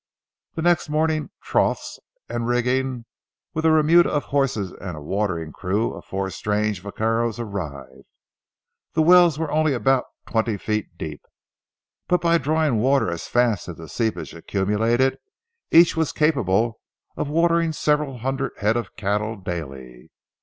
The next morning troughs and rigging, with a remuda of horses and a watering crew of four strange vaqueros, arrived. The wells were only about twenty feet deep; but by drawing the water as fast as the seepage accumulated, each was capable of watering several hundred head of cattle daily.